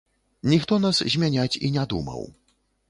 Ніхто нас змяняць і не думаў.